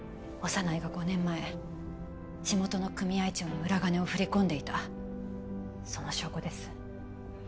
小山内が５年前地元の組合長に裏金を振り込んでいたその証拠です